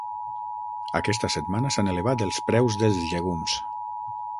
Aquesta setmana s'han elevat els preus dels llegums.